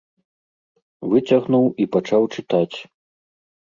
Выцягнуў і пачаў чытаць.